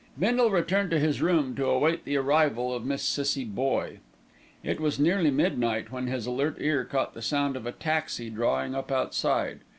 Bindle returned to his room to await the arrival of Miss Cissie Boye. It was nearly midnight when his alert ear caught the sound of a taxi drawing up outside.